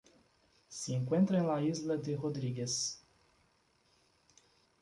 Se encuentra en la Isla de Rodrigues.